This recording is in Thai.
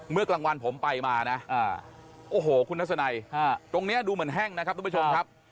กลางวันผมไปมานะโอ้โหคุณทัศนัยตรงนี้ดูเหมือนแห้งนะครับทุกผู้ชมครับ